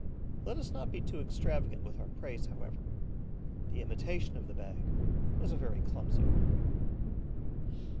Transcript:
Let us not be too extravagant with our praise, however; the imitation of the bag was a very clumsy one.